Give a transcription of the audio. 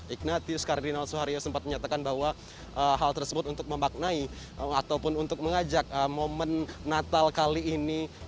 ignatius kardinal soeharyo sempat menyatakan bahwa hal tersebut untuk memaknai ataupun untuk mengajak momen natal kali ini